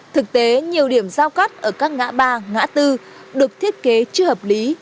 thực tế nhiều điểm giao cắt ở các ngã ba ngã tư được thiết kế chưa hợp lý